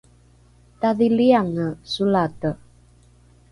tadhiliange solate